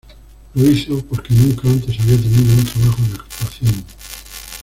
Lo hizo porque nunca antes había tenido un trabajo de actuación.